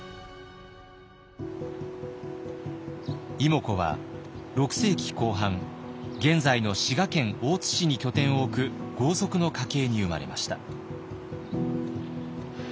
妹子は６世紀後半現在の滋賀県大津市に拠点を置く豪族の家系に生まれました。